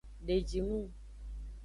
Deji nung.